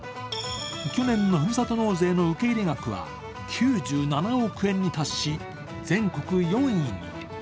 去年のふるさと納税の受け入れ額は９７億円に達し、全国４位に。